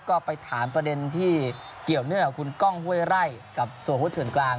ก็ไปถามประเด็นที่เกี่ยวเนื่องกับคุณก้องห้วยไร่กับสวพุทธเถื่อนกลาง